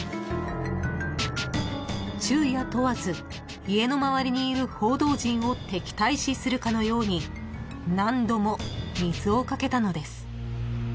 ［昼夜問わず家の周りにいる報道陣を敵対視するかのように何度も水をかけたのです］